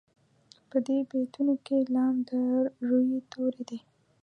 په دې بیتونو کې لام د روي توری دی.